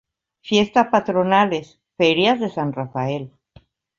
Fiesta patronales: ferias de San Rafael.